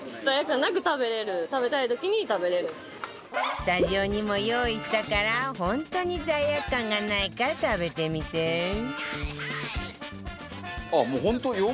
スタジオにも用意したから本当に罪悪感がないか食べてみて奈緒：へえー！